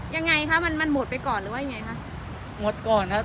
ยังไงคะมันหมดไปก่อนหรือว่ายังไงคะ